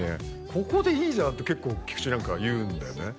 ここでいいじゃんって結構菊池なんかは言うんだよね